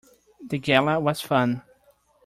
The Gala was fun.